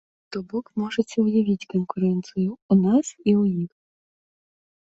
То бок, можаце ўявіць канкурэнцыю ў нас, і ў іх.